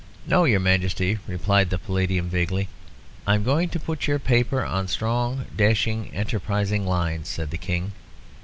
"No, your Majesty," replied the Paladium, vaguely. "I'm going to put your paper on strong, dashing, enterprising lines," said the King.